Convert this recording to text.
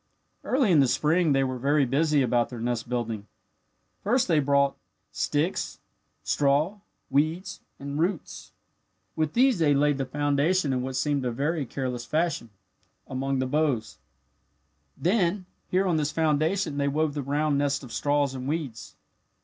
"Early in the spring they were very busy about their nest building. First they brought sticks, straw, weeds, and roots. With these they laid the foundation in what seemed a very careless fashion, among the boughs. "Then here on this foundation they wove the round nest of straws and weeds.